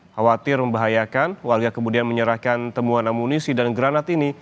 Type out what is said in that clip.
khawatir membahayakan warga kemudian menyerahkan temuan amunisi dan granat ini